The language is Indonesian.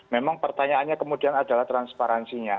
memang pertanyaannya kemudian adalah transparansinya